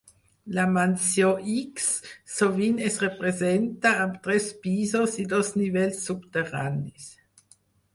La Mansió X sovint es representa amb tres pisos i dos nivells subterranis.